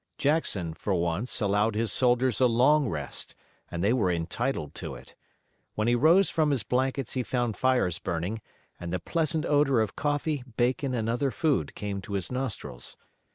Jackson, for once, allowed his soldiers a long rest, and they were entitled to it. When he rose from his blankets, he found fires burning, and the pleasant odor of coffee, bacon and other food came to his nostrils.